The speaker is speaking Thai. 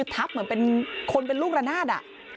ทับเหมือนเป็นคนเป็นลูกระนาด